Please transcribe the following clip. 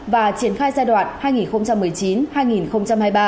và triển khai giai đoạn hai nghìn một mươi chín hai nghìn hai mươi ba